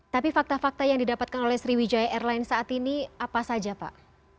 tapi fakta fakta yang didapatkan oleh sriwijaya airline saat ini apa saja pak